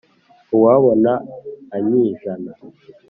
uwabona anyijana